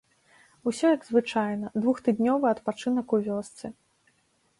Усё як звычайна, двухтыднёвы адпачынак у вёсцы.